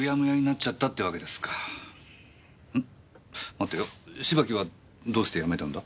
待てよ芝木はどうして辞めたんだ？